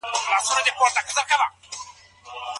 آیا الله تعالی له خپلو بندګانو سره وعده کړې؟